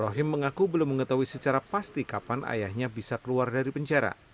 rahim mengaku belum mengetahui secara pasti kapan ayahnya bisa keluar dari penjara